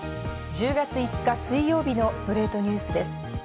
１０月５日、水曜日の『ストレイトニュース』です。